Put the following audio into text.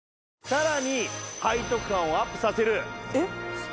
さらに背徳感をアップさせる。